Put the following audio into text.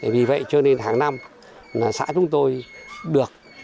vì vậy cho nên hàng năm xã chúng tôi được